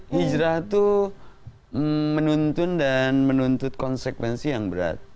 hijrah itu menuntun dan menuntut konsekuensi yang berat